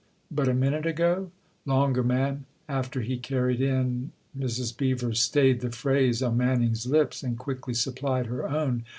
" But a minute ago ?"" Longer, ma'am. After he carried in " Mrs. Beever stayed the phrase on Manning's lips and quickly supplied her own.